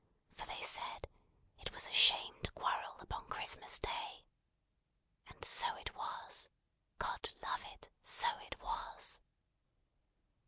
For they said, it was a shame to quarrel upon Christmas Day. And so it was! God love it, so it was!